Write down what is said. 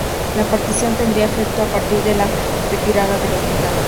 La partición tendría efecto a partir de la retirada de los británicos.